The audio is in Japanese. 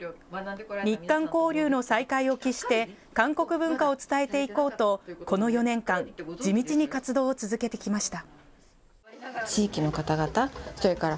日韓交流の再開を期して、韓国文化を伝えていこうと、この４年間、地道に活動を続けてきました。